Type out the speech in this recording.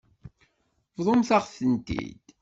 Bḍumt-aɣ-tent-id.